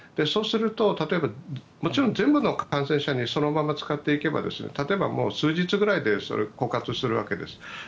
そうすると例えばもちろん全部の感染者にそのまま使っていけば例えば数日ぐらいで枯渇するわけです。